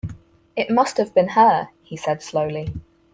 'It must have been her,' he said slowly.